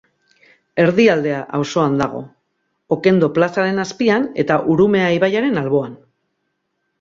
Erdialdea auzoan dago, Okendo plazaren azpian eta Urumea ibaiaren alboan.